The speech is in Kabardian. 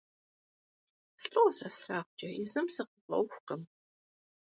Слӏо сэ слъагъукӏэ, езым сыкъыфӏэӏуэхукъым…